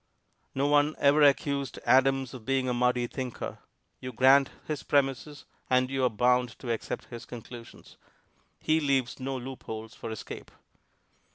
No one ever accused Adams of being a muddy thinker; you grant his premises and you are bound to accept his conclusions. He leaves no loopholes for escape.